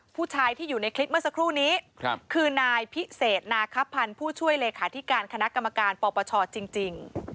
ผู้ชายที่อยู่ในคลิปเมื่อสักครู่นี้คือนายพิเศษนาคับพันธ์ผู้ช่วยเลขาธิการคณะกรรมการปปชจริง